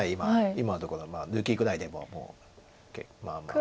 今のところ抜きぐらいでももうまあまあ。